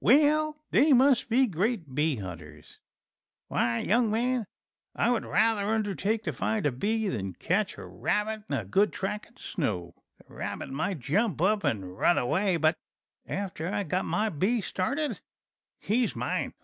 "Well, they must be great bee hunters; why, young man, I would rather undertake to find a bee than ketch a rabbit in a good trackin' snow. The rabbit might jump up and run away, but after I get my bee started, he's mine."